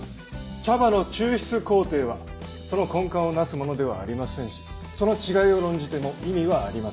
茶葉の抽出工程はその根幹を成すものではありませんしその違いを論じても意味はありません。